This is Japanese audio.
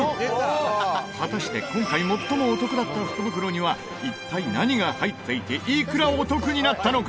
果たして、今回最もお得だった福袋には一体、何が入っていていくらお得になったのか？